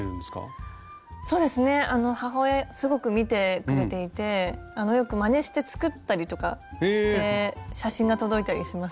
そうですね母親すごく見てくれていてよくまねして作ったりとかして写真が届いたりします。